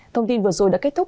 thông tin vừa rồi đã kết thúc